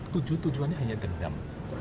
tujuh tujuannya hanya dendam